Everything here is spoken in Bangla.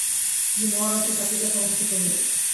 তিনি মহারাজের কাছে গিয়া সমস্ত কহিলেন।